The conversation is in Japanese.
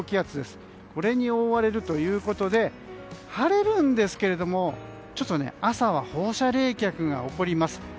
これに覆われるということで晴れるんですけれどちょっと朝は放射冷却が起こります。